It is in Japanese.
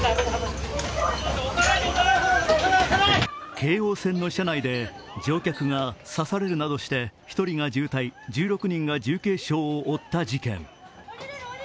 京王線の車内で乗客が刺されるなどして１人が重体、１６人が重軽傷を負った事件。